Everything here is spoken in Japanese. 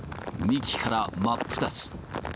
幹から真っ二つ。